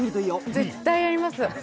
絶対やります。